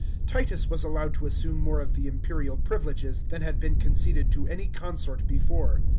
Titus was allowed to assume more of the imperial privileges than had been conceded to any consort before.